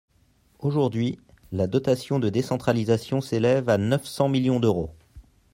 Aujourd’hui, la dotation de décentralisation s’élève à neuf cents millions d’euros.